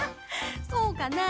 そうかな？